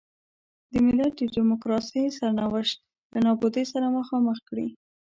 د ملت د ډیموکراسۍ سرنوشت له نابودۍ سره مخامخ کړي.